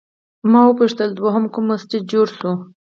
ما وپوښتل دوهم کوم مسجد جوړ شوی؟